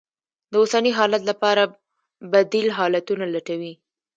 د اوسني حالت لپاره بدي ل حالتونه لټوي.